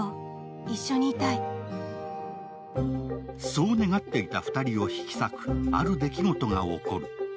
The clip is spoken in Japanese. そう願っていた２人を引き裂く、ある出来事が起こる。